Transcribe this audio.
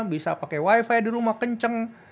bisa pakai wi fi di rumah kencang